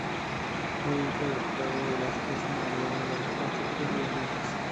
Fue hijo de Octaviano Velázquez y María de la Concepción Rodríguez.